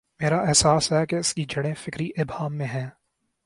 میرا احساس ہے کہ اس کی جڑیں فکری ابہام میں ہیں۔